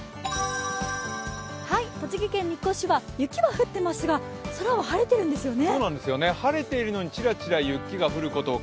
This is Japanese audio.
栃木県日光市は雪は降っていますが空は晴れているんですよね。